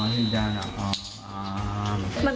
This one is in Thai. ยืมมายามาให้เหร้า